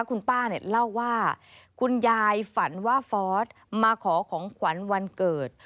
คุณป้าเนี่ยเล่าว่าคุณยายฝันว่าฟอสมาขอของขวัญวันเกิด